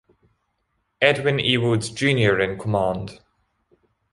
Edwin E. Woods, Junior in command.